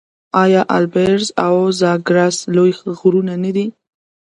آیا البرز او زاگرس لوی غرونه نه دي؟